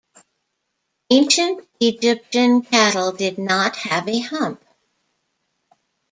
Ancient Egyptian cattle did not have a hump.